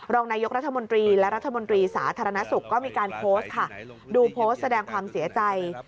รองนายกรัฐมนตรีและรัฐมนตรีสาธารณสุขก็มีการโพสต์ค่ะดูโพสต์แสดงความเสียใจ